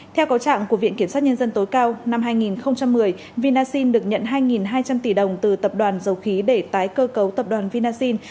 theo có trạng của viện kiểm sát nhân dân tối cao năm hai nghìn một mươi vinasin được nhận hai hai trăm linh tỷ đồng từ tập đoàn dầu khí để tái cơ cấu tập đoàn vinasin